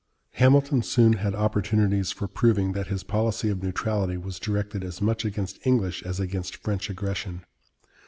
Hamilton soon had opportunities for proving that his policy of neutrality was directed as much against English as against French aggression.